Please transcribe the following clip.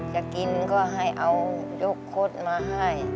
จะกินก็ให้เอายกคดมาให้